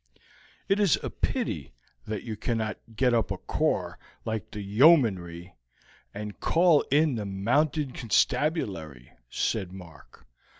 "It is a pity that you cannot get up a corps like the yeomanry, and call it the Mounted Constabulary," said Mark.